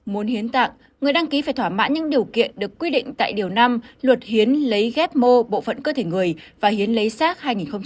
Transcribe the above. muốn hiến tạng người đăng ký phải thỏa mãn những điều kiện được quy định tại điều năm luật hiến lấy ghép mô bộ phận cơ thể người và hiến lấy sát hai nghìn một mươi